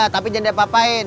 tapi jangan deh apa apain